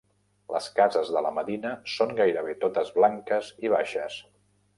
Les cases de la medina són gairebé totes blanques i baixes.